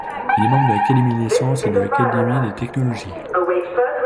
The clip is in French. Il est membre de l’Académie des Sciences et de l’Académie des technologies.